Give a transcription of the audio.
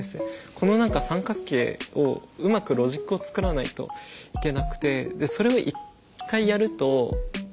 この何か三角形をうまくロジックをつくらないといけなくて。